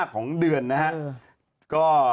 ของเดือนนะฮะ